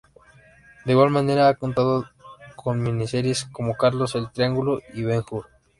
De igual manera ha contado con miniseries como Carlos, El Triángulo y Ben Hur.